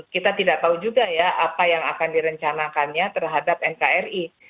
kita tidak tahu juga ya apa yang akan direncanakannya terhadap nkri